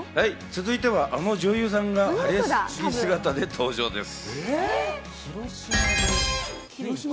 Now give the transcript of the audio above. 続いてはあの女優さんが晴れ着姿で登場です。